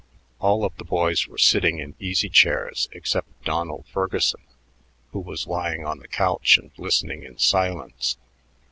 All of the boys were sitting in easy chairs except Donald Ferguson, who was lying on the couch and listening in silence.